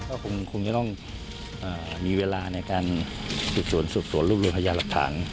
ก็คงคงจะต้องเอ่อมีเวลาในการส่วนส่วนส่วนรูปรูปไฮยาลักฐาน